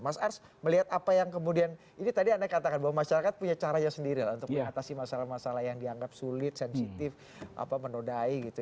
mas ars melihat apa yang kemudian ini tadi anda katakan bahwa masyarakat punya caranya sendiri lah untuk mengatasi masalah masalah yang dianggap sulit sensitif menodai gitu